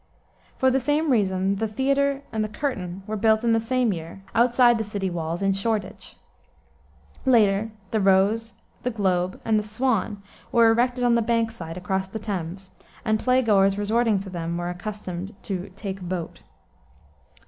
For the same reason the Theater and the Curtain were built in the same year, outside the city walls in Shoreditch. Later the Rose, the Globe, and the Swan, were erected on the Bankside, across the Thames, and play goers resorting to them were accustomed to "take boat."